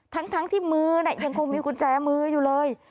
ทั้งที่มือยังคงมีกุญแจมืออยู่เลย